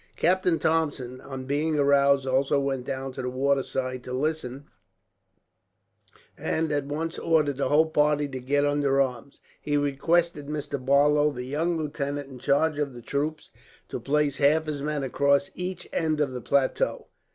Captain Thompson, on being aroused, also went down to the waterside to listen; and at once ordered the whole party to get under arms. He requested Mr. Barlow, the young lieutenant in charge of the troops, to place half his men across each end of the plateau.